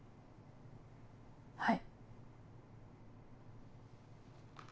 はい。